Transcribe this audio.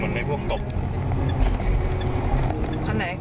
เหมือนในพวกตก